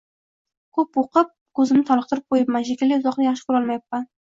Ko`p o`qib, ko`zimni toliqtirib qo`yibman shekilli, uzoqni yaxshi ko`rolmayapman